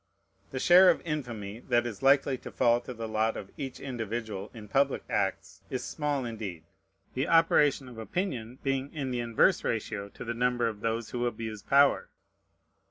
The share of infamy that is likely to fall to the lot of each individual in public acts is small indeed: the operation of opinion being in the inverse ratio to the number of those who abuse power.